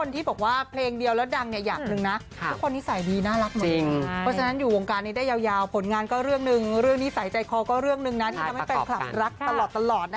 ตลอดนะคะคุณผู้ชมครับ